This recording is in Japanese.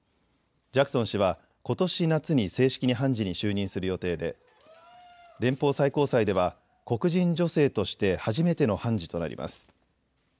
ジャクソン氏はことし夏に正式に判事に就任する予定で連邦最高裁では黒人女性として初めての判事となります。